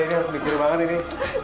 ini harus dikirim banget ini